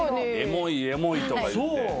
エモいエモいとか言って。